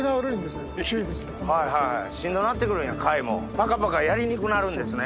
パカパカやりにくくなるんですね。